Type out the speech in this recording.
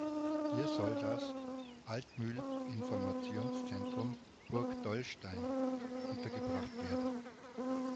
Hier soll das „Altmühl-Informationszentrum Burg Dollnstein“ untergebracht werden.